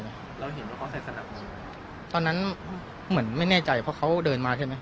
เราเห็นว่าเขาใส่สลับอะไรตอนนั้นเหมือนไม่แน่ใจเพราะเขาเดินมาใช่ไหม